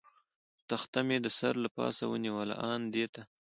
تخته مې د سر له پاسه ونیول، آن دې ته.